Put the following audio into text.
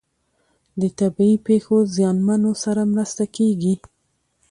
د طبیعي پیښو زیانمنو سره مرسته کیږي.